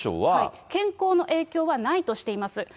健康の影響はないとしています。